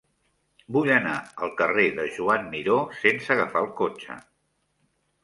Vull anar al carrer de Joan Miró sense agafar el cotxe.